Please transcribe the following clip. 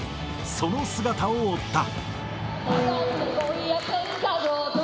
その姿を追った。